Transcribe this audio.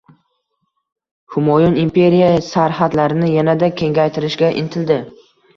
Humoyun imperiya sarhadlarini yanada kengaytitishga intildi.